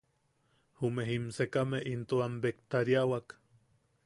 Jume jimsekame into am bektariawak.